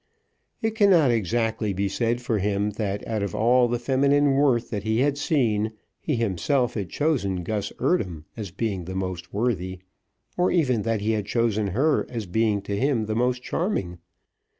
It cannot exactly be said for him that out of all the feminine worth that he had seen, he himself had chosen Gus Eardham as being the most worthy, or even that he had chosen her as being to him the most charming.